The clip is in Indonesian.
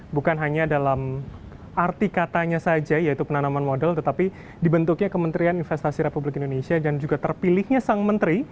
bukan hanya dalam arti katanya saja yaitu penanaman modal tetapi dibentuknya kementerian investasi republik indonesia dan juga terpilihnya sang menteri